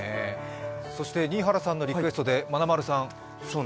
新原さんのリクエストで、まなまるさん。